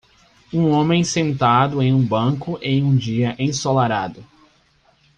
Um homem sentado em um banco em um dia ensolarado.